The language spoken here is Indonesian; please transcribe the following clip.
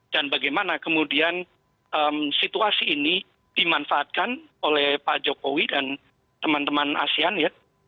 dan bagaimana kemudian situasi ini dimanfaatkan oleh pak jokowi dan teman teman asean ya